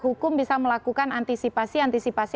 hukum bisa melakukan antisipasi antisipasi